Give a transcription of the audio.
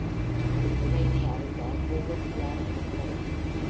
இந்நிலையினை அறிந்தார் கோவூர்க் கிழார் என்ற புலவர்.